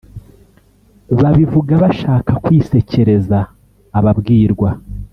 babivuga bashaka kwisekereza ababwirwa,